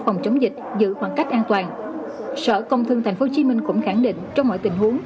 phòng chống dịch bệnh một trong số số